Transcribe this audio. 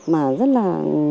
mà rất là